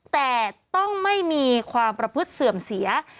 แต่ต้องไม่มีความประพฤติเสื่อมเสีย